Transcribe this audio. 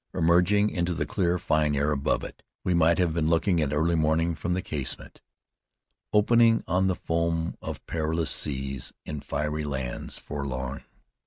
Emerging into the clear, fine air above it, we might have been looking at early morning from the casement "opening on the foam Of perilous seas, in faëry lands forlorn."